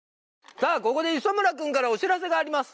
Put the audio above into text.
さあここで磯村君からお知らせがあります